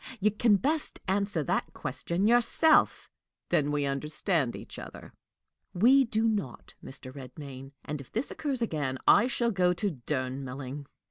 You can best answer that question yourself." "Then we understand each other." "We do not, Mr. Redmain; and, if this occurs again, I shall go to Durnmelling."